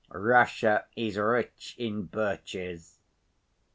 Russia is rich in birches.